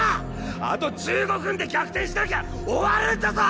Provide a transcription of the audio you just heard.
あと１５分で逆転しなきゃ終わるんだぞ！